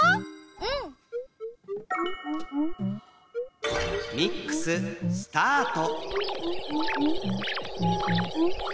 うん！ミックススタート！